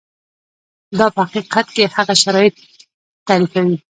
دا په حقیقت کې هغه شرایط تعریفوي.